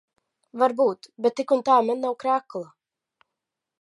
Varbūt. Bet tik un tā man nav krekla.